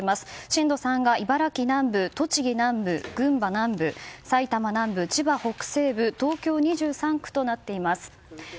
震度３が茨城南部、栃木南部群馬南部、埼玉南部、千葉北西部東京２３区となっています。